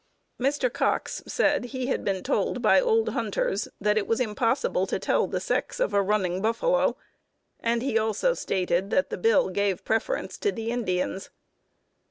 Mr. Cox said he had been told by old hunters that it was impossible to tell the sex of a running buffalo; and he also stated that the bill gave preference to the Indians.